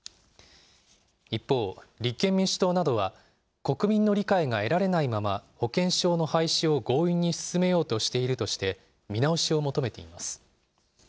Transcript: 一方、立憲民主党などは国民の理解が得られないまま保険証の廃止を強引に進めようとしているとして、見直しを求めています。